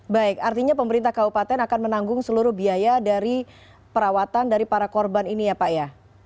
baik artinya pemerintah kabupaten akan menanggung seluruh biaya dari perawatan dari para korban ini ya pak ya